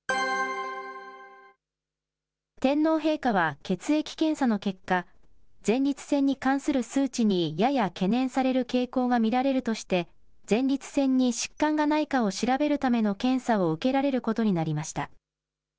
天皇陛下は血液検査の結果、前立腺に関する数値にやや懸念される傾向が見られるとして、前立腺に疾患がないかを調べるための検査を受けられることになりました。